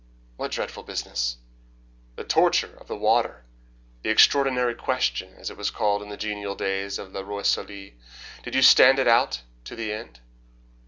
"What dreadful business?" "The torture of the water the 'Extraordinary Question,' as it was called in the genial days of 'Le Roi Soleil.' Did you stand it out to the end?"